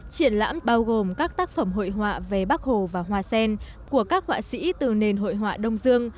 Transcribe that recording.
triển lãm bao gồm các tác phẩm hội họa về bác hồ và hoa sen của các họa sĩ từ nền hội họa đông dương